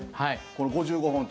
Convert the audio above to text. ５５本中。